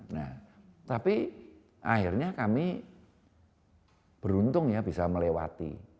nah tapi akhirnya kami beruntung ya bisa melewati